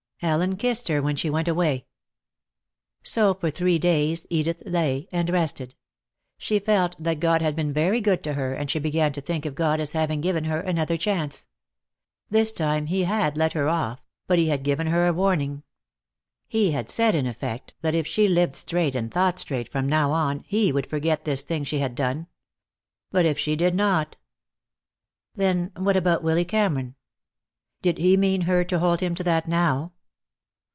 Ellen kissed her when she went away. So for three days Edith lay and rested. She felt that God had been very good to her, and she began to think of God as having given her another chance. This time He had let her off, but He had given her a warning. He had said, in effect, that if she lived straight and thought straight from now on He would forget this thing she had done. But if she did not Then what about Willy Cameron? Did He mean her to hold him to that now?